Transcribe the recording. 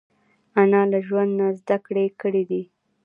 انا له ژوند نه زده کړې کړې دي